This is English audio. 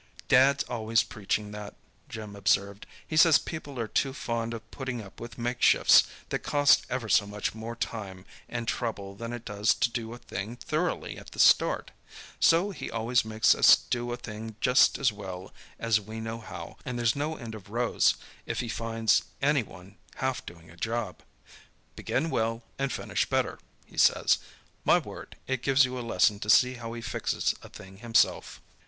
"Dad's always preaching that," Jim observed. "He says people are too fond of putting up with makeshifts, that cost ever so much more time and trouble than it does to do a thing thoroughly at the start. So he always makes us do a thing just as well as we know how, and there's no end of rows if he finds any one 'half doing' a job. 'Begin well and finish better,' he says. My word, it gives you a lesson to see how he fixes a thing himself."